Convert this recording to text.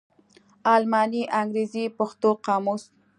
الماني _انګرېزي_ پښتو قاموس